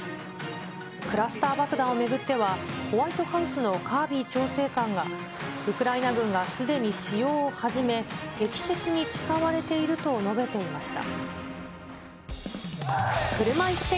クラスター爆弾を巡っては、ホワイトハウスのカービー調整官が、ウクライナ軍がすでに使用を始め、適切に使われていると述べていました。